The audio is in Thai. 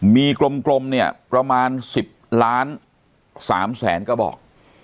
มีกลมเนี่ยประมาณ๑๐ล้าน๓แสนกระบอก